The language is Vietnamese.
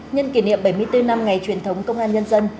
nhân kỷ niệm bảy mươi bốn năm ngày truyền thống công an nhân dân